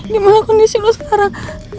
gimana kondisi lo sekarang